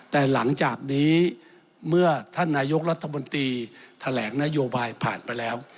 แต่หลังจากนี้เมื่อท่านนายกรัฐมนตรีแถลงนโยบายผ่านไปแล้ว